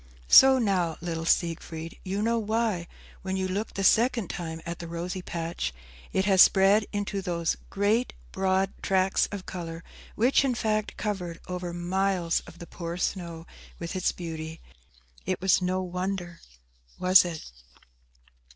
So now, little Siegfried, you know why, when you looked the second time at the rosy patch, it has spread into those great broad tracts of colour which, in fact, covered over miles of the poor snow with its beauty. It was no wonder, was it?"